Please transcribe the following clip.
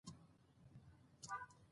روغتيا تر شتمنۍ غوره ده.